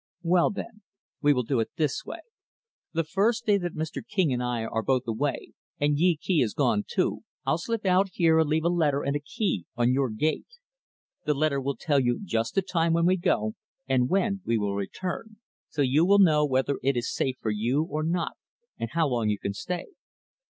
"Well then, we will do it this way the first day that Mr. King and I are both away, and Tee Kee is gone, too; I'll slip out here and leave a letter and a key on your gate. The letter will tell you just the time when we go, and when we will return so you will know whether it is safe for you or not, and how long you can stay.